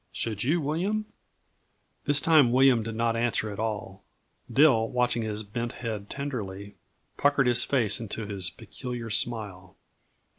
Should you, William?" This time William did not answer at all. Dill, watching his bent head tenderly, puckered his face into his peculiar smile.